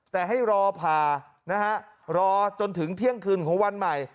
แต่ให้รอผ่านะฮะรอจนถึงเที่ยงคืนของวันใหม่